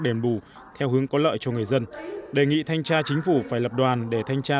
đền bù theo hướng có lợi cho người dân đề nghị thanh tra chính phủ phải lập đoàn để thanh tra